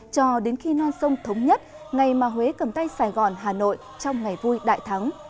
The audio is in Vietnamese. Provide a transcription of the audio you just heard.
cho đến khi non sông thống nhất ngày mà huế cầm tay sài gòn hà nội trong ngày vui đại thắng